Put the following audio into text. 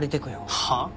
はあ？